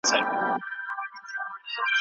په دلارام کي خلک د لمر له انرژۍ څخه ډېره ګټه اخلي